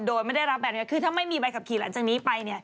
โดยไม่ได้รับอนุญาตเพราะถ้าไม่มีใบขับขี่หลังจากนี้ไป